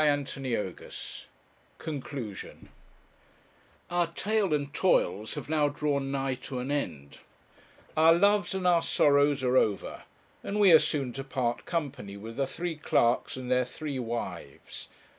CHAPTER XLVII CONCLUSION Our tale and toils have now drawn nigh to an end; our loves and our sorrows are over; and we are soon to part company with the three clerks and their three wives.